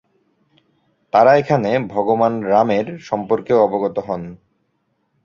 তারা এখানে ভগবান রামের সম্পর্কেও অবগত হন।